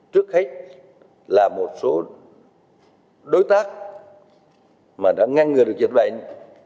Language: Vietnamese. trước hết là một số đối tác mà đã ngăn ngừa được dịch bệnh